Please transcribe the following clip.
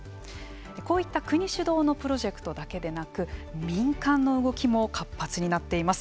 こういった国主導のプロジェクトだけでなく民間の動きも活発になっています。